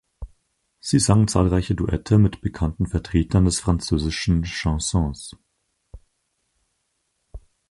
Sie sang zahlreiche Duette mit bekannten Vertretern des französischen Chansons.